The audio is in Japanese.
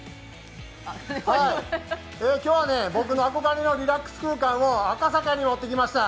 今日はね、僕の憧れのリラックス空間を赤坂に持ってきました。